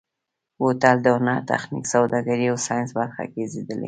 بوتل د هنر، تخنیک، سوداګرۍ او ساینس برخه ګرځېدلی.